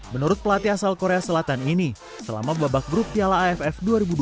menurut pelatih asal korea selatan ini selama babak grup piala aff dua ribu dua puluh